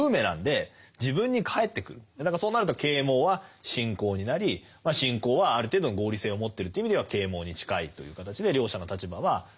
だからそうなると啓蒙は信仰になり信仰はある程度の合理性を持ってるという意味では啓蒙に近いという形で両者の立場は反転していく。